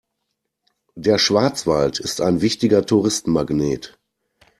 Der Schwarzwald ist ein wichtiger Touristenmagnet.